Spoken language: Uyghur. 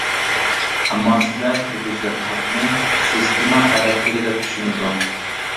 ئەمما سىلەر كىرگۈزگەن خەتنى سىستېما ئەرەب تىلى دەپ چۈشىنىدۇ.